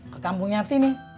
ke kampung nyati nih